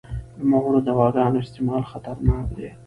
د نوموړو دواګانو استعمال خطرناک دی.